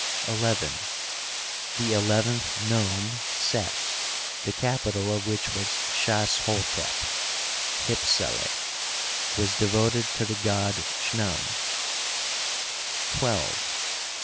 XL The eleventh nome. Set, the capi tal of which was Shas hotep (Hypsele), was devoted to the god Chnutn. XII.